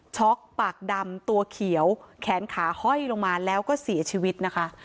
ปากดำตัวเขียวแขนขาห้อยลงมาแล้วก็เสียชีวิตนะคะ